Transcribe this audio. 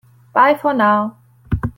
Bye for now!